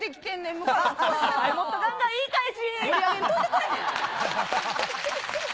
もっとがんがん言い返し！